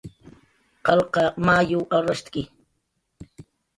Qalqa mayuw arrashtki